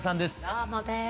どうもです。